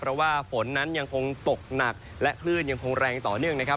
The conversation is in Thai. เพราะว่าฝนนั้นยังคงตกหนักและคลื่นยังคงแรงต่อเนื่องนะครับ